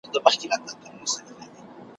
زما نوم عبدالحی د ملا عبدالحق اخوندزاده زوی